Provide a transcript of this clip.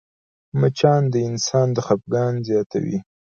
مچان د انسان خفګان زیاتوي